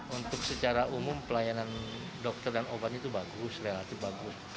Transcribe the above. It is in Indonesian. untuk secara umum pelayanan dokter dan obat itu bagus relatif bagus